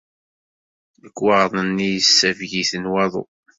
Lekwaɣeḍ-nni yessafeg-iten waḍu.